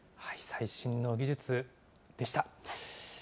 最新の技術でした。